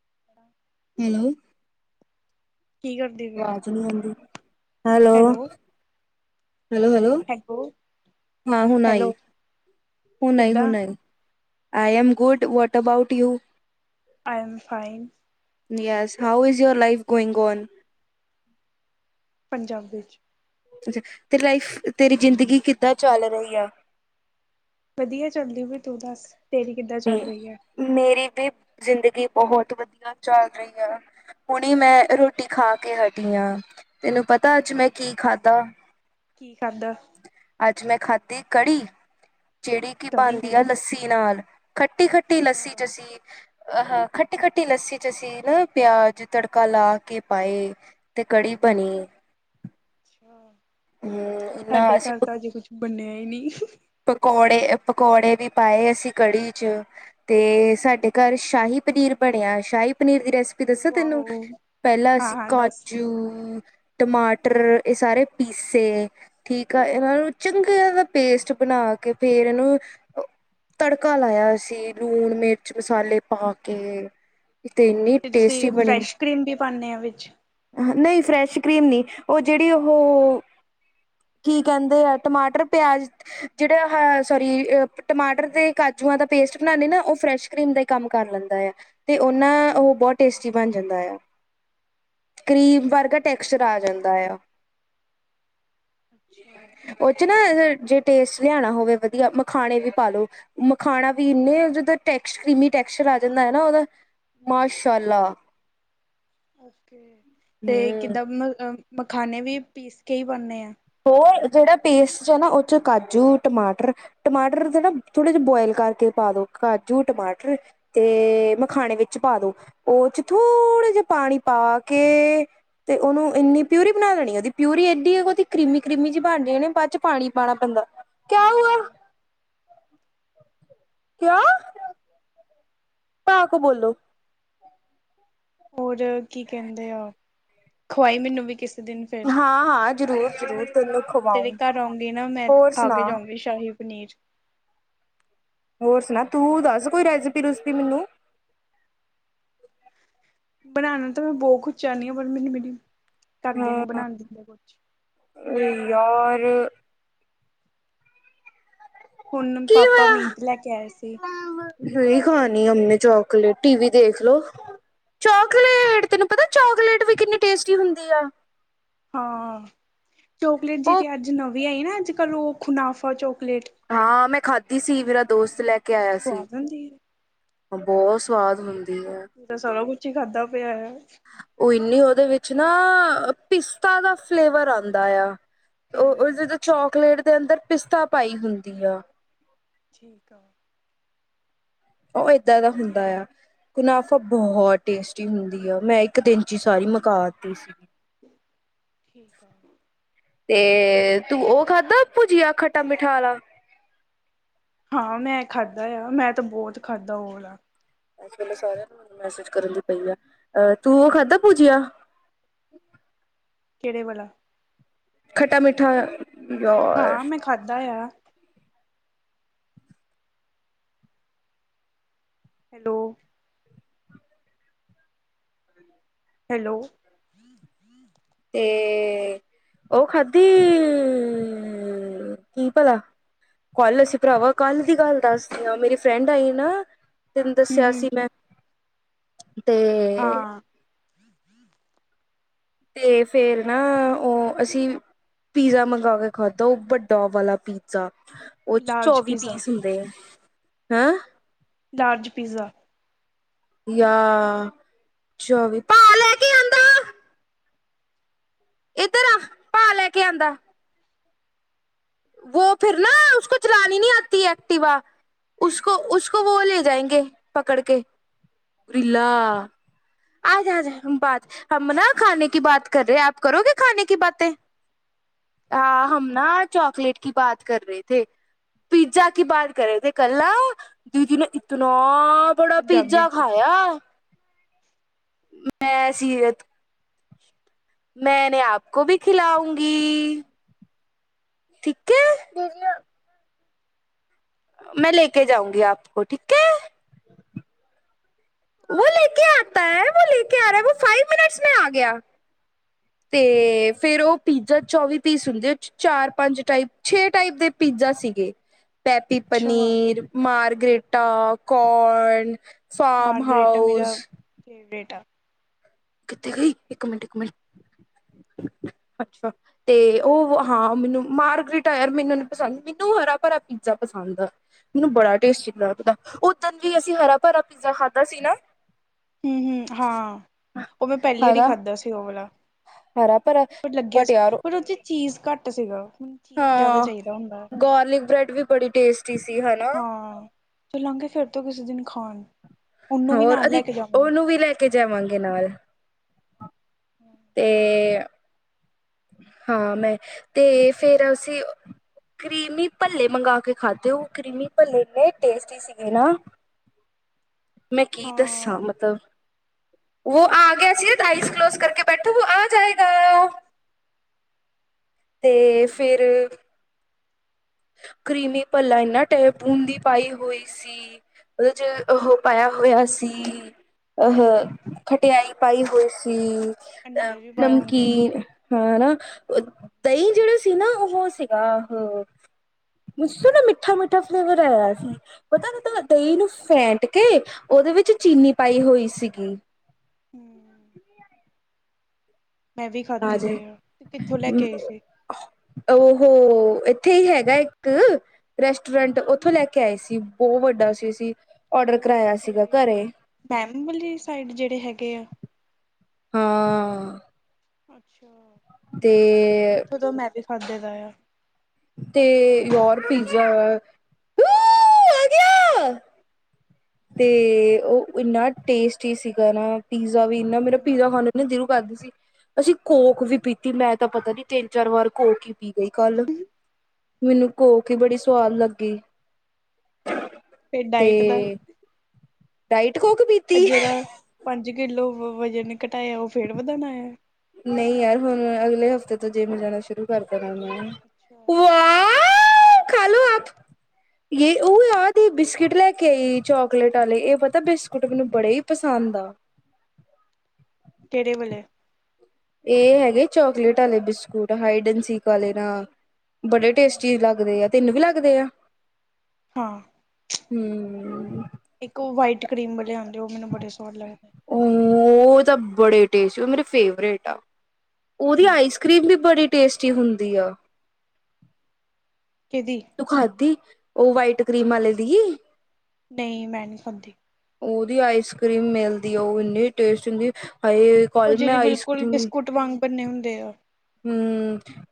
ਹ [unintelligible] ਹੈਲੋ ਕੀ ਕਰਦੇ ਪਏ? ਆਵਾਜ ਨਹੀਂੀ ਆਉਂਦੀ ਹੈਲੋ ਹੈਲੋ ਹੈਲੋ ਹਾਂ ਹੁਣ ਹੈਲੋ ਆਈ ਹੁ ਨਹੀਂਈ ਕਿੱਦਾਂ? ਹੁ ਨਹੀਂਈ [unintelligible] [unintelligible] [unintelligible] ਪੰਜਾਬੀ ਵਿੱਚ ਅੱਛਾ ਤੇਰੀ ਲਾਈਫ ਤੇਰੀ ਜ਼ਿੰਦਗੀ ਕਿੱਦਾਂ ਚੱਲ ਰਹੀ ਆ ਵਧੀਆ ਚੱਲਦੀ ਪਾਈ ਤੂੰ ਦੱਸ ਤੇਰੀ ਕਿੱਦਾਂ ਚੱਲ ਰਹੀ ਹੈ ਦੀ ਜ਼ਿੰਦਗੀ ਬਹੁਤ ਵਧੀਆ ਚੱਲ ਰਹੀ ਆ ਹੁਣੇ ਮੈਂ ਰੋਟੀ ਖਾ ਕੇ ਹਟੀ ਹਾ ਤੈਨੂੰ ਪਤਾ ਅੱਜ ਮੈਂ ਓਕੇ। ਕੀ ਖਾਧਾ ਕੀ ਖਾਧਾ? ਅੱਜ ਮੈਂ ਖਾਧੀ ਕੜੀ ਜਿਹੜੀ ਕਿ ਤਰੀ ਬਣਦੀ ਹੀ ਆ ਲੱਸੀ ਨਾਲ ਖੱਟੀ ਖੱਟੀ ਲੱਸੀ ਅੱਛਾ, ਚ ਅਸੀਂ ਅਹ ਹ ਖੱਟੀ ਖੱਟੀ ਲੱਸੀ ਚ ਅਸੀਂ ਨਾ ਪਿਆਜ ਤੜਕਾ ਲਾ ਕੇ ਪਾਏ ਤੇ ਕੜੀ ਪਨੀਰ [unintelligible] ਹਮ ਨਾ ਸਾਡੇ ਅਸੀਂ ਘਰ ਪ ਤਾਂ ਅਜੇ ਕੁਛ ਬਣਿਆ ਹੀ ਨਹੀਂੀ ਪਕੌੜੇ ਪਕੌੜੇ ਵੀ ਪਾਏ ਅਸੀਂ ਕੜੀ ਚ ਤੇ ਸਾਡੇ ਘਰ ਸ਼ਾਹੀ ਪਨੀਰ ਬਣਿਆ ਸ਼ਾਹੀ ਪਨੀਰ ਦੀ ਰੈਸਿਪੀ ਦੱਸਿਆ ਤੈਨੂੰ ਵਾਓ ਪਹਿਲਾਂ ਹਾਂ, ਅਸੀਂ ਹਾਂ ਦੱਸ ਕਾਜੂ ਟਮਾਟਰ ਇਹ ਸਾਰੇ ਪੀਸੇ ਠੀਕ ਆ ਇਹਨਾਂ ਨੂੰ ਚੰਗੇ ਇਹ ਦਾ ਪੇਸਟ ਬਣਾ ਕੇ ਫੇਰ ਇਹਨੂੰ ਤੜਕਾ ਲਾਇਆ ਸੀ ਲੂਣ ਮਿਰਚ ਮਸਾਲੇ ਪਾ ਕੇ ਤੇ ਇੰਨੀ ਤੁਸੀਂ ਟੇਸਟੀ ਬਣੀ ਨੇ ਫਰੈਸ਼ ਕਰੀਮ ਵੀ ਪਾਉਂਦੇ ਆ ਵਿੱਚ? ਨਹੀਂ ਫਰੈਸ਼ ਕਰੀਮ ਨ ਉਹ ਜਿਹੜੀ ਉਹ ਕੀ ਕਹਿੰਦੇ ਆ ਟਮਾਟਰ ਪਿਆਜ ਜਿਹੜੇ ਸੋਰੀ ਟਮਾਟਰ ਦੇ ਕਾਜੂਆਂ ਦਾ ਪੇਸਟ ਬਣਾਉਦੇ ਨਾ ਉਹ ਫਰੈਸ਼ ਕਰੀਮ ਦਾ ਹੀ ਕੰਮ ਕਰ ਲੈਂਦਾ ਤੇ ਉਹਨਾਂ ਅੱਛਾ, ਉਹ ਬਹੁਤ ਅੱਛਾ ਟੇਸਟੀ ਬਣ ਜਾਂਦਾ ਆ ਕਰੀਮ ਵਰਗ ਟੈਕਸਚਰ ਠੀਕ ਹੈ ਆ ਜਾਂਦਾ ਆ ਅੱਛਾ ਉਹ ਚ ਨਾ ਜੇ ਟਸਟ ਮੱਖਾਣਾ ਹੋਵੇ ਵਧੀਆ ਮਖਾਣੇ ਵੀ ਪਾਲੋ ਨਾ ਉਹਦਾ ਮਾਸ਼ਾਲਾ ਤੇ ਹਮ ਕਿੱਦਾਂ ਮਖਾਨੇ ਵੀ ਪੀਸ ਕੇ ਹੀ ਪਾਣੇ ਆ ਉਹ ਜਿਹੜਾ ਪੇਸਟ 'ਚ ਹੈ ਨਾ ਉਹ 'ਚ ਕਾਜੂ ਟਮਾਟਰ ਟਮਾਟਰ ਦੇ ਨਾ ਥੋੜ੍ਹੇ ਜਿਹੇ ਬੋਆਇਲ ਕਰਕੇ ਪਾ ਦੋ ਕਾਜੂ ਟਮਾਟਰ ਤੇ ਮਖਾਣੇ ਵਿੱਚ ਪਾ ਦੋ ਉਹ ਚ ਥੋੜੇ ਜਿਹੇ ਪਾਣੀ ਪਾ ਕੇ ਤੇ ਉਹਨੂੰ ਇੰਨੀ ਪਿਊਰੀ ਬਣਾ ਦੇਣੀ ਉਹਦੀ ਪਿਊਰੀ ਏਡੀ ਉਹਦੀ ਕੀਮੀ ਕਰ੍ਰਮੀ ਚ ਬਣ ਜਾਣੀ ਆ ਬਾਅਦ ਚ ਪਾਣੀ ਪਾਣਾ ਪੈਂਦਾ ਕਿਆ ਹੁਆ ਹੂੰ, ਕਿਆ ਭਾ ਕੋ ਬੋਲੋ ਹੋਰ ਕੀ ਕਹਿੰਦੇ ਆ ਖੁਵਾਈ ਮੈਨੂੰ ਵੀ ਕਿਸ ਦਿਨ ਫਿਰ ਹਾਂ ਹਾਂ ਜ਼ਰੂਰ ਜ਼ਰੂਰ ਤੈਨੂੰ ਜੋ ਤੇਰੇ ਖਵਾਉਂਗੀ ਘਰ ਆਉਂਗੀ ਨਾ ਮੈਂ ਹੋਰ ਖਾ ਕੇ ਸੁਣਾ ਜਾਊਂਗੀ ਸ਼ਾਹੀ ਪਨੀਰ ਹੋਰ ਸੁਣਾ ਤੂੰ ਦੱਸ ਕੋਈ ਰੈਸਪੀ ਰੂਸਪੀ ਮੈਨੂੰ ਬਣਾਣਾ ਤਾਂ ਮੈਂ ਬਹੁਤ ਕੁੱਛ ਚਾਹੁਣੀ ਹਾਂ ਪਰ ਮੈਨੂੰ ਮੇ ਕਰਦੇ ਨੀ ਹਾਂ ਬਣਾ ਦੇਦੇ ਕੁਛ ਯਾਰ। ਹੁਣ ਕੀ ਪਾਪਾ ਮੀਟ ਲੈ ਹੋਇਆ ਕੇ ਆਏ ਸੀ ਨਹੀ ਖਾਣੀ ਹਮਨੇ ਚਾਕਲੇਟ ਟੀ ਵੀ ਦੇਖ ਲੋ ਚੋਕਲੇਟ ਤੈਨੂੰ ਪਤਾ ਚੋਕਲੇਟ ਵੀ ਕਿੰਨੀ ਟੇਸਟੀ ਹੁੰਦੀ ਆ। ਹਾਂ ਚੋਕਲੇਟ ਉਹ ਜਿਦੀ ਅੱਜ ਨਵੀਂ ਆਈ ਨਾ ਅੱਜ ਕੱਲ੍ਹ ਉਹ ਖੁਨਾਫ਼ਾ ਜੋ ਹਾਂ ਮੈਂ ਖਾਧੀ ਸੀ ਮੇਰਾ ਦੋਸਤ ਹਾਂ ਲੈ ਕੇ ਆਇਆ ਸੀ। ਸਵਾਦ ਹੁੰਦੀ ਹੈ ਬਹੁਤ ਸਵਾਦ ਹੁੰ ਮੈ ਸਾਰਾ ਕੁੱਛ ਹੀ ਖਾਧਾ। ਪਿਆ ਹੈ ਉਹ ਇਨੀ ਉਦੇ ਵਿੱਚ ਨਾ ਪਿਸਤਾ ਦਾ ਫਲੇਵਰ ਆਂਦਾ ਆ। ਉਹ ਹਮ ਉਸਦੇ ਚਾਕਲੇਟ ਦੇ ਅੰਦਰ ਪਿਸਤਾ ਪਾਈ ਹੁੰਦੀ ਆ। ਠੀਕ ਆ। ਉਹ ਏਦਾਂ ਦਾ ਹੁੰਦਾ ਆ। ਮੁਨਾਫ਼ਾ ਬਹੁਤ ਟੇਸਟੀ ਹੁੰਦੀ ਆ ਮੈਂ ਇੱਕ ਦਿਨ ਚ ਹੀ ਸਾਰੀ ਮੁਕਾ ਤੀ ਸੀ। ਠੀਕ ਆ। ਤੇ ਤੂੰ ਉਹ ਖਾਧਾ ਭੁਜੀਆ ਖੱਟਾ ਮਿੱਠਾ ਵਾਲਾ ਹਾਂ ਮੈਂ ਖਾਧਾ ਆ ਮੈਂ ਤੇ ਬਹੁਤ ਖਾਧਾ ਉਹ ਵਾਲਾ ਇਸ ਵੇਲੇ ਸਾਰਿਆਂ ਨੂੰ ਮੈਸੇਜ ਕਰਨ ਦੀ ਪਈ ਆ ਅਹ ਤੂੰ ਉਹ ਖਾਧਾ ਪੁਜੀਆ਼। ਕਿਹੜੇ ਵਾਲਾ ਖੱਟਾ ਮੀਠਾ। ਹਾਂ ਮੈਂ ਖਾਧਾ ਆ ਹੈਲੋ। ਹੈਲੋ। ਤੇ ਉਹ ਖਾਧੀ ਕੀ ਭਲਾ ਕੱਲ ਅਸੀਂ ਭਰਾਵਾ ਕੱਲ ਦੀ ਗੱਲ ਦੱਸਦੀ ਆ ਮੇਰੀ ਫਰੈਂਡ ਆਈ ਨਾ ਤੈਨੂੰ ਹਮ ਦੱਸਿਆ ਹਮ ਸੀ ਮੈਂ ਤੇ ਹਾਂ ਤੇ ਫੇਰ ਨਾ ਉਹ ਅਸੀਂ ਪੀਜ਼ਾ ਮੰਗਵਾ ਕੇ ਖਾਧਾ ਉਹ ਵੱਡਾ ਵਾਲਾ ਪੀਜ਼ਾ ਉਹ ਚ ਲਾਰਜ ਚੌਵੀ ਪੀਜ਼ਾ ਪੀਸ ਹੁੰਦੇ ਐ ਹੈਂ ਲਾਰਜ ਪੀਜ਼ਾ। ਜਾ ਚੌਵੀ ਭਾ ਲੈ ਕੇ ਆਂਦਾ ਇੱਧਰ ਆ ਭਾ ਲੈ ਕੇ ਆਂਦਾ। ਵੋ ਫਿਰ ਨਾ ਉਸਕੌ ਚਲਾਨੀ ਨਹੀਂ ਆਤੀ ਐਕਟਿਵਾ ਉਸਕੋ-ਉਸਕੋ ਵੋ ਲੇ ਜਾਏਗੇੇ ਪਕੜ ਕੇ ਰੀਲਾ ਆਜ ਜਾ ਬਾਤ ਹਮ ਨਾ ਖਾਣੇ ਕੀ ਬਾਤ ਕਰ ਰਹੇ ਆਪ ਕਰੋਗੇ ਖਾਣੇ ਕੀ ਬਾਤੇ ਹ ਹਾਂ ਹਮ ਨਾ ਚੌਕਲੇਟ ਕੀ ਬਾਤ ਕਰ ਰਹੇ ਥੇ। ਪੀਜ਼ਾ ਕੀ ਬਾਤ ਕਰੇ ਤੇੇ ਕਲਾ ਦੀਦੀ ਨੂੰ ਇਤਨਾ, ਬੜਾ ਪੰਜਾਬੀ ਪੀਜ਼ਾ ਚ ਖਾਇਆ। ਮੈਂ ਸੀਰਤ। ਮੈਂਨੇ ਆਪ ਕੋ ਵੀ ਖਿਲਾਊਂਗੀ। ਠੀਕ ਹੈ। ਮੈਂ ਲੈ ਕੇ ਜਾਊਂਗੀ ਆਪ ਕੋ ਠੀਕ ਹੈ। ਉਹ ਲੈ ਕੇ ਆਤਾ ਹੈ ਵੋ ਲੈ ਕੇ ਆ ਰਿਹਾ ਫਾਈਵ ਮਿੰਟਸ ਮੈਂ ਆ ਗਿਆ। ਤੇ ਫੇਰ ਉਹ ਪੀਜ਼ਾ ਚੌਵੀ ਪੀਸ ਹੁੰਦੇ ਚਾਰ ਪੰਜ ਟਾਈਪ ਛੇ ਟਾਈਪ ਦੇ ਪੀਜ਼ਾ ਦਾ ਸੀਗੇ ਪੈਪੀ ਅੱਛਾ ਪਨੀਰ ਮਾਰਗਰੇਟਾ ਕੋਨ ਫਾਰਮ ਹਾਊਸ। ਕੁੱ ਕਿੱਥੇ ਗਈ ਇੱਕ ਮਿੰਟ ਇੱਕ ਮਿੰਟ ਅੱਛਾ ਤੇ ਉਹ ਹਾਂ ਮੈਨੂੰ ਮਾਰਗਰੀਟਾਇਰ ਮੈਨੂੰ ਨੀ ਪਸੰਦ ਮੈਨੂੰ ਹਰਾ ਭਰਾ ਪੀਜ਼ਾ ਪਸੰਦ ਆ ਮੈਨੂੰ ਬੜਾ ਟੇਸਟੀ ਲੱਗਦਾ ਓਦਨ ਵੀ ਅਸੀਂ ਹਰਾ ਭਰਾ ਪੀਜ਼ਾ ਖਾ ਦਾ ਸੀ ਨਾ ਹੂੰ-ਹੂੰ, ਹਾਂ ਉਹ ਮੈਂ ਪਹਿਲੀ ਵਾਰੀ ਹਨਾ ਖਾਧਾ ਸੀ ਉਹ ਵਾਲਾ ਹਰਾ ਭਰਾ ਪਰ ਲੱਗਿਆ ਬਟ ਸੀ ਯਾਰ ਪਰ ਉਹਦੇ ਚੀਜ਼ ਘੱਟ ਸੀਗਾ ਮੈਨੂੰ ਚੀਜ਼ ਜ਼ਿਆਦਾ ਹਾਂ ਚਾਹੀਦਾ ਹੁੰਦਾ ਗਾਰਲਿਕ ਬ੍ਰੈਡ ਵੀ ਬੜੀ ਟੇਸਟੀ ਸੀ ਹਨਾ। ਹਾਂ ਚੱਲਾਂਗੇ ਫੇਰ ਤੋਂ ਕਿਸੇ ਦਿਨ ਖਾਣ ਉਹਨੂੰ ਵੀ ਹੋਰ ਨਾਲ ਅਸੀ ਲੈ ਕੇ ਜਾਵਾਂਗੇ ਉਹਨੂੰ ਵੀ ਲੈ ਕੇ ਜਾਵਾਂਗੇ ਨਾਲ। ਤੇ ਹਾਂ ਮੈਂ ਤੇ ਫੇਰ ਅਂ ਕਰੀਮੀ ਭੱਲੇ ਮੰਗ ਕੇ ਖਾਧੇ ਉਹ ਕਰੀਮੀ ਭੇ ਇੰਨੇ ਟੇਸਟੀ ਸੀਗੇ ਨਾ ਮੈਂ ਕੀ ਦੱਸਾਂ ਹਾਂ ਮਤਲਬ ਉਹ ਆ ਗਿਆ ਸਿਰਫ ਆਈਜ਼ ਕਲੋਜ਼ ਕਰਕੇ ਬੈਠਾ ਵ ਆ ਜਾਏਗਾ ਤੇ ਫਿਰ ਕਰੀਮੀ ਪੱਲਾ ਇੰਨਾ ਟੈਬੂਨ ਦੀ ਪਾਈ ਹੋਈ ਸੀ ਉਹਦੇ ਚ ਉਹ ਪਾਇਆ ਹੋਇਆ ਸੀ ਅਹ ਖਟਿਆਈ ਪਾਈ ਹੋਈ ਸੀ ਅਹ ਅਨਾਜ ਵੀ ਪਾਇਆ ਉਹਨੇ ਨਮਕੀਨ ਹਾਂ ਨਾ ਦਹੀਂ ਜਿਹੜਾ ਸੀ ਨਾ ਉਹ ਸੀਗਾ ਹ ਹ ਮੋ ਨਾ ਮਿੱਠਾ-ਮਿੱਠਾ ਫਲੇਵਰ ਆਇਆ ਸੀ ਪਤਾ ਨਾ ਦਹੀਂ ਨੂੰ ਫੇਟ ਕੇ ਉਹਦੇ ਵਿੱਚ ਚੀਨੀ ਪਾਈ ਹੋਈ ਸੀਗੀ। ਹੂੰ, [inaudible] ਮੈਂ ਵੀ ਆ ਖਾਧੇ ਜਾਏ ਤੇ ਕਿੱਥੋਂ ਲੈ ਕੇ ਆਈ ਸੀ ਉਹ ਉਹ ਇੱਥੇ ਹੀ ਹੈਗਾ ਇੱਕ ਰੈਸਟੋਰੈਂਟ ਉੱਥੋਂ ਲੈ ਕੇ ਆਏ ਸੀ ਬਹੁਤ ਵੱਡਾ ਸੀ ਸੀ। ਔਡਰ ਕਰਾਇਆ ਸੀਗਾ ਘਰੇ ਫੈਮਿਲੀ ਸਾਈਡ ਜਿਹੜੇ ਹੈਗੇ ਆ ਹਾਂ, ਅੱਛਾ ਠੀਕ ਆ ਤੇ ਉੱਥੋਂ ਤੋਂ ਮੈਂ ਵੀ ਖਾਦੇ ਦਾ ਆ ਤੇ ਯਾਰ ਪੀਜ਼ਾ ਆ ਗਿਆ। ਤੇ ਉਹ ਇੰਨਾ ਟੇਸਟੀ ਸੀਗਾ ਨਾ ਪੀਜ਼ ਵੀ ਇ ਮੇਰਾ ਪੀਜ਼ਾ ਖਾਨਣ ਨਾ ਜ਼ਰੂਰ ਪੈਂਦੀ ਸੀ ਅਸੀਂ ਕੋਕ ਵੀ ਪੀਤੀ ਮੈਂ ਤਾਂ ਪਤਾ ਨੀ ਤਿੰਨ ਚਾਰ ਵਾਰ ਕੋਕ ਹੀ ਪੀ ਗਈ ਕੱਲ ਮੈਨੂੰ ਕੋਕ ਹੀ ਬੜੀ ਸਆਦ ਲੱਗੀ ਫਿਰ ਡਾਇਟ ਦਾ ਡਾਈਟ ਜਿਹੜਾ ਪੰਜ ਕਿੱਲੋ ਵਜਨ ਘਟਾਇਆ ਉਹ ਫੇਰ ਵਧਾਣਾ ਆ ਨਹੀਂ ਯਾਰ ਹੁਣ ਅਗਲੇ ਹਫ਼ਤੇ ਤੋਂ ਜੇ ਮੈਂ ਜਾਣਾ ਸ਼ੁਰੂ ਕਰ ਦੇਨਾ ਮੈਂ ਅੱਛਾ ਆ ਖਾਲੋ ਆਪ ਯ ਉਹ ਯਾਦ ਬਿਸਕਿਟ ਲੈ ਕੇ ਆਈ ਚੋਕਲੇਟ ਵਾਲੇ ਇਹ ਪਤਾ ਬਿਸਕੁਟ ਮੈਨੂੰ ਬੜੇ ਹੀ ਪਸੰਦ ਅੰਦਾ ਕਿਹੜੇ ਵਲੇ ਇਹ ਹੈਗੇ ਚੋਕਲੇਟ ਵਾਲੇ ਬਿਸਕੁਟ ਹਾਈਡਨ ਸੀਕ ਵਾਲੇ ਨਾਲ ਬੜੇ ਟੇਸਟੀ ਲੱਗਦੇ ਆ ਤੈਨੂੰ ਵੀ ਲੱਗਦੇ ਆ ਹਾਂ ਹੂੰ। ਇੱਕ ਵਾਈਟ ਕਰੀਮ ਵਾਲੀ ਆਉਂ ਉਹ ਤਾਂ ਬੜੇ ਟੇਸਟੀ ਉਹ ਮੇਰੇ ਫੇਵਰੇਟ ਆ ਉਹਦੀ ਆਈਸ ਕਰ੍ਰੀਮ ਵੀ ਬੜੀ ਟੇਸਟੀ ਹੁੰਦੀ ਆ ਕਿਹਦੀ ਦੁਖਾਤੀ ਉਹ ਵਾਈਟ ਕਰੀਮ ਵਾਲੇ ਦੀ ਨਹੀਂ ਮੈਂ ਨਹੀਂ ਸਭੀ, ਉਹਦੀ ਆਈਸਕ੍ਰੀਮ ਮਿਲਦੀ ਉਹ ਇਨੀ ਟੇਸ ਇਹ ਕਾਲ ਮੇ ਆਈਸਕ੍ਰੀਮ ਭੰਨੇ ਹੁੰਦੇ ਆ।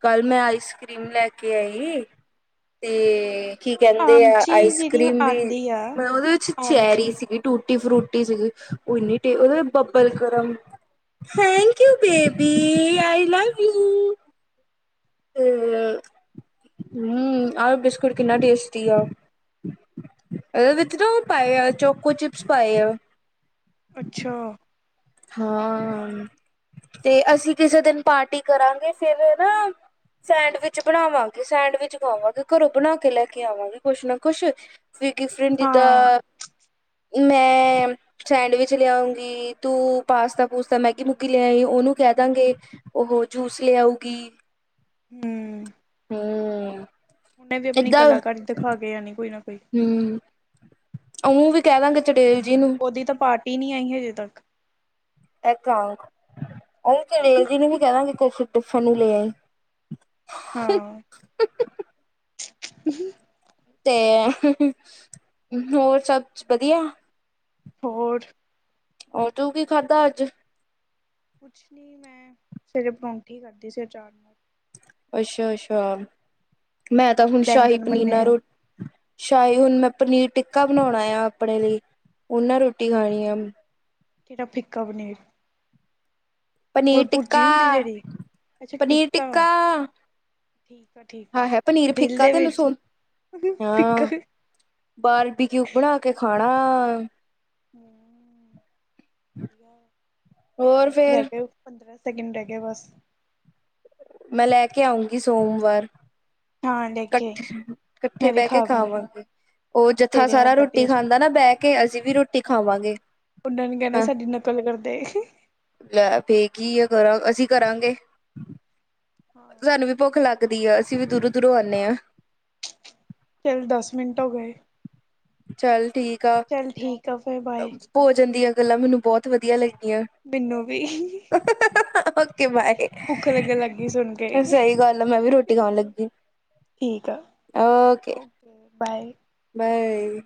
ਕੱਲ ਮੈਂ ਆਈਸਕ੍ਰੀਮ ਲੈ ਕੇ ਆਈ ਤੇ, ਇਹ ਕੀ ਕਹਿੰਦੇ ਆ ਆਮਚੀ ਜਿਹੜੀ ਆਈਸਕ੍ਰੀਮ ਵੀ ਆਉਂਦੀ ਆ ਮੈਂ ਉਹਦੇ ਵਿੱਚ ਚੈਰੀ ਆਮਚੀ ਸੀਗੀ ਟੂਟੇ ਇ ਫਰੂਟੀ ਸੀਗੀ ਉਹ ਇੰਨੀ ਟੇਬਲ ਗਰਮ [unintelligible] ਤੇ [unintelligible] ਬਿਸਕੁਟ ਕਿੰਨਾ ਟੇਸਟੀ ਆ ਓਹਦੇ ਵਿੱਚ ਨਾ ਓਹ ਪਾਏ ਆ ਚੋਕੌ ਚਿੱਪਸ ਪਾਏ ਹੈ ਅੱਛਾ ਹਾਂ ਤੇ ਅਸੀਂ ਕਿਸੇ ਦਿਨ ਪਾਰਟੀ ਕਰਾਂਗੇ ਫਿਰ ਹੈ ਨਾ ਸੈਂਡਵਿਚ ਬਣਾਵਾਂਗੇ ਸੈਂਡਵਿਚ ਪਾਵਾਂਗੇ ਘਰੋ ਬਣਾ ਕੇ ਲੈ ਕੇ ਆਵਾਂਗੀ ਕੁਛ ਨਾ ਕੁਛ ਦਿਫਰੰਟ ਹਾਂ। ਜੀਦਾ, ਮੈਂ ਸੈਂਡਵਿਚ ਲਿਆਉਗੀ ਓਹ ਪਾਸਤਾ ਪੁਸਤਾ ਮੈਗੀ ਮੁੱਗਿ ਲੈ ਆਈ ਉਹਨੂੰ ਕਹਿ ਹੂੰ। ਦਾਂਗੇ ਉਹ ਜੂਸ ਲਿਆਉਗੀ ਹਮ ਹਮ ਹੁਣੇ ਜੈ ਆਪਣੀ ਏਦਾਂ ਕਲਾਕਾਰੀ ਦਿਖਾ ਕੇ ਜਾਨੀ ਕੋਈ ਨਾ ਕੋਈ ਹਮ ਉਹਨੂੰ ਵੀ ਕਹਿ ਦਾਂਗੇ ਚ ਉਹਦੀ ਤਾਂ ਪਾਰਟੀ ਨਹੀਂ ਆਈ ਹਜੇ [unintelligible] ਟਿਫਨ ਨੂੰ ਲੇ ਆਈ ਹਾਂ ਤੇ ਹੋਰ ਸਭ ਵਧੀਆ ਹੋਰ ਉਦੋਂ ਵੀ ਖਾਦਾ ਅੱਜ ਕੁਛ ਨਹੀਂ ਮੈਂ ਸਵੇਰੇ ਪਾਰੋਂਠੀ ਖਦੀ ਸੀ ਅਚਾਰ ਨਾਲ ਅੱਛਾ ਅੱਛਾ ਮੈਂ ਤਾਂ ਹੁਣ ਸ਼ਾਹੀ ਬੈਂਗਣ ਪਨੀਰ ਬਣੇ ਨਾਲ ਆ ਰੋਟੀ, ਸ਼ਾਹੀ ਹੁਨ ਮੈ ਪਨੀਰ ਟਿੱਕਾ ਬਣਾਉਣਾ ਆ ਆਪਣੇ ਲਈ ਉਹਨਾਂ ਰੋਟੀ ਖਾਣੀ ਆ ਕਿਹੜਾ ਫਿਕਾ ਬਣਿਆ ਪਨੀਰ ਟਿੱਕਾ ਪਨੀਰ ਟਿੱਕਾ ਠੀਕ ਆ ਠੀਕ ਆਹ ਆ ਹੈ ਪਨੀਰ ਗ੍ਰਿਲ ਫਿੱਕਾ ਦੇ ਤੇ ਵਿੱਚ ਲਸਣ ਫਿੱਕਾ ਬਾਰਬੀ ਕਿਊ ਬਣਾ ਕੇ ਖਾਣਾ ਹੋਰ ਬਸ ਰਹੇ ਫੇਰ ਗਏ ਪੰਦਰ ਦਿਨ ਲੇਕਿਨ ਰਹਿ ਗਿਆ ਬਸ ਨਹੀਂ ਮੈਂ ਲੈ ਕੇ ਆਉਂਗੀ ਸੋਮਵਾਰ ਹਾਂ ਲੈ ਕੇ ਆਈ ਇਕੱਠੇ ਮੈਂ ਵੀ ਬਹਿ ਕੇ ਖਾ ਲੂੰਗੀ ਖਾਵਾਂਗੇ ਉਹ ਜੱਥਾ ਤੇਰੇ ਸਾਰਾ ਹੱਥ ਦਾ ਰੋਟੀ ਟੇਸਟ ਖਾਂਦਾ ਨਾ ਕਰੂੰਗੀ ਬਹਿ ਕੇ ਅਸੀਂ ਵੀ ਰੋਟੀ ਖਾਵਾਂਗੇ ਮੁੰਡੇ ਨੇ ਕਹਿਣਾ ਸਾਡੀ ਨਕਲ ਕਰਦੇ ਤੇ ਕੀ ਅਸੀਂ ਕਰਾਂਗੇ ਹਾਂ ਤੁਹਾਨੂੰ ਵੀ ਭੁੱਖ ਲੱਗ ਕਦੀ ਅਸੀਂ ਵੀ ਦੂਰੋਂ ਦੂਰੋਂ ਆਉਂਦੇ ਆਂ ਤੈਨੂੰ ਦੱਸ ਮਿੰਟ ਹੋ ਗਏ ਚਲ ਠੀਕ ਚੱਲ ਠੀਕ ਆ ਫਿਰ ਬਾਏ ਭੋਜਨ ਦੀਆਂ ਗੱਲਾਂ ਮੈਨੂੰ ਬਹੁਤ ਵਧੀਆ ਲੱਗਦੀਆਂ ਮੈਨੂੰ ਵੀ ਓਕੇ ਬਾਏ, ਭੁੱਖ ਲੱਗਣ ਲੱਗ ਗਈ ਸੁਣ ਕੇ ਸਹੀ ਗੱਲ ਆ ਮੈਂ ਵੀ ਰੋਟੀ ਖਾਣ ਲੱਗੀ। ਠੀਕ ਆ, ਓਕੇ ਓਕੇ ਬਾਏ ਬਾਏ